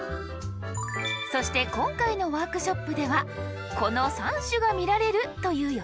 そして今回のワークショップではこの３種が見られるという予想。